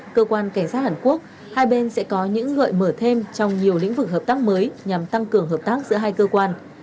cơ quan cảnh sát hàn quốc hai bên sẽ có những gợi mở thêm trong nhiều lĩnh vực hợp tác mới nhằm tăng cường hợp tác giữa hai cơ quan